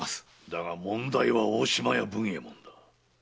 だが問題は大島屋文右衛門。